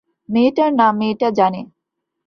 মেয়েটার নাম মেয়েটা জানে।